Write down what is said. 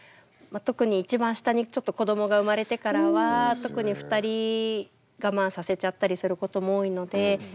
特に一番下にちょっと子どもが生まれてからは特に２人我慢させちゃったりすることも多いので。